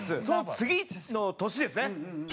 その次の年ですね。